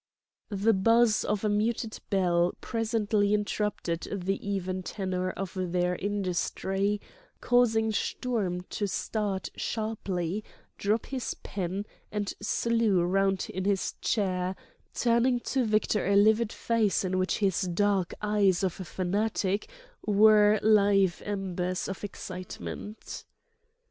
The buzz of a muted bell presently interrupted the even tenor of their industry, causing Sturm to start sharply, drop his pen, and slue round in his chair, turning to Victor a livid face in which his dark eyes of a fanatic were live embers of excitement.